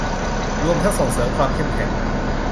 รวมทั้งส่งเสริมความเข้มแข็ง